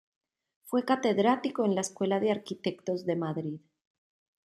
Fue catedrático en la Escuela de Arquitectos de Madrid.